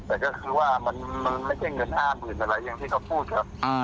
แต่ก็คือว่ามันมันไม่เกินห้าหมื่นอะไรอย่างที่เขาพูดครับอ่า